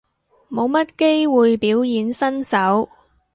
冇乜機會表演身手